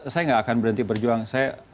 saya gak akan berhenti berjuang saya